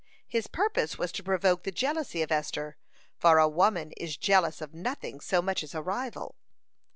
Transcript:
His purpose was to provoke the jealousy of Esther, "for a woman is jealous of nothing so much as a rival."